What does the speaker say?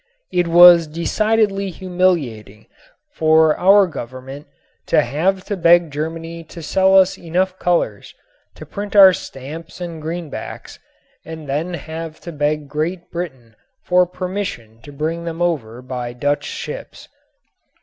It was decidedly humiliating for our Government to have to beg Germany to sell us enough colors to print our stamps and greenbacks and then have to beg Great Britain for permission to bring them over by Dutch ships.